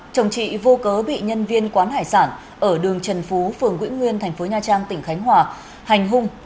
chồng chị vô cớ bị nhân viên quán hải sản ở đường trần phú phường quỹ nguyên tp nha trang tỉnh khánh hòa hành hung